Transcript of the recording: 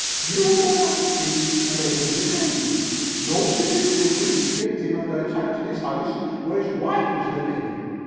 You would only have to speak and they would remain. No seducer would bring his victim and her child to the house where his wife was living.